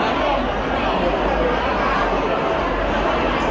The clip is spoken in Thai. เออ